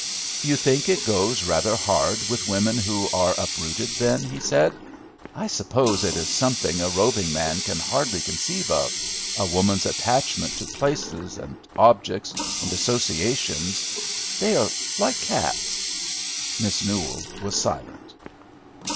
"You think it goes rather hard with women who are uprooted, then," he said. "I suppose it is something a roving man can hardly conceive of, a woman's attachment to places, and objects, and associations; they are like cats." Miss Newell was silent.